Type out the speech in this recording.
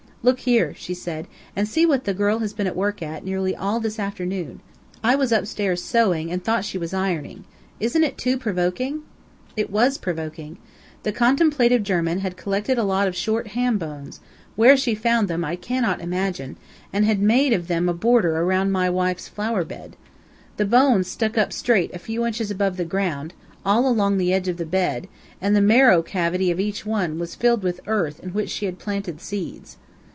"Look here," she said, "and see what that girl has been at work at, nearly all this afternoon. I was upstairs sewing and thought she was ironing. Isn't it too provoking?" It WAS provoking. The contemplative German had collected a lot of short ham bones where she found them I cannot imagine and had made of them a border around my wife's flower bed. The bones stuck up straight a few inches above the ground, all along the edge of the bed, and the marrow cavity of each one was filled with earth in which she had planted seeds.